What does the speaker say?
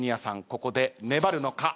ここで粘るのか。